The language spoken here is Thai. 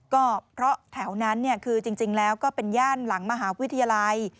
ก็เพราะแถวนั้นคือจริงแล้วก็เป็นย่านหลังมหาวิทยาลัย